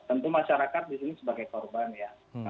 tentu masyarakat di sini sebagai korban ya